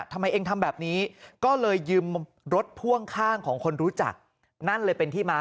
ทำไมเองทำแบบนี้ก็เลยยืมรถพ่วงข้างของคนรู้จักนั่นเลยเป็นที่มา